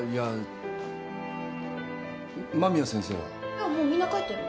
今日はもうみんな帰ったよ。